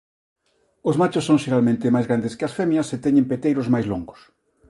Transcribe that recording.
Os machos son xeralmente máis grandes que as femias e teñen peteiros máis longos.